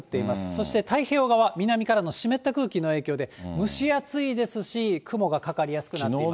そして太平洋側、南からの湿った空気の影響で、蒸し暑いですし、雲がかかりやすくなっています。